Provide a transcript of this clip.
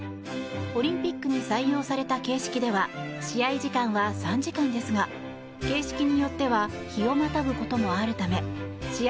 オリンピックに採用された形式では試合時間は３時間ですが形式によっては日をまたぐこともあるため試合